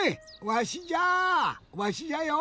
わしじゃよ。